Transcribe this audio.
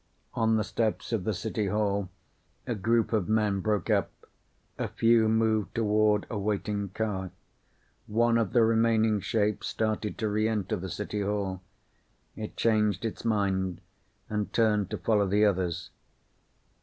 On the steps of the City Hall a group of men broke up. A few moved toward a waiting car. One of the remaining shapes started to re enter the City Hall. It changed its mind and turned to follow the others.